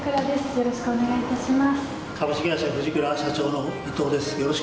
よろしくお願いします。